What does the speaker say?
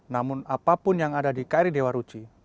namun apapun yang ada di kri dewa ruci